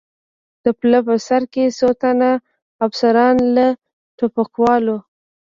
د پله په سر کې څو تنه افسران، له ټوپکوالو.